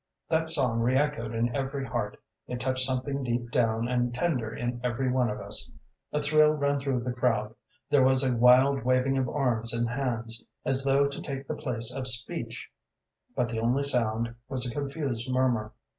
"That song re echoed in every heart; it touched something deep down and tender in every one of us. A thrill ran through the crowd; there was a wild waving of arms and hands, as though to take the place of speech; but the only sound was a confused murmur.